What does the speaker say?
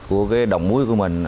của cái đồng muối của mình